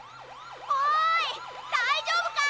おいだいじょうぶか！